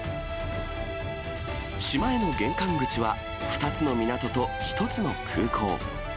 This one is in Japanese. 島への玄関口は２つの港と１つの空港。